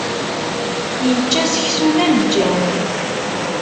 Ičča seksu d aleǧǧam.